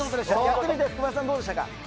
やってみて、福場さんどうでしたか？